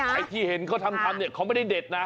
อะที่เห็งบันดาลนี้เขาไม่ได้เด็ดนะ